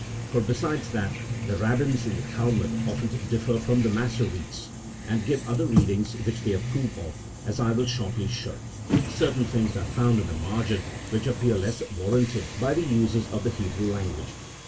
For besides that, the Rabbins in the Talmud often differ from the Massoretes, and give other readings which they approve of, as I will shortly show, certain things are found in the margin which appear less warranted by the uses of the Hebrew language.